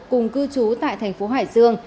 cùng cư trú tại thành phố hải dương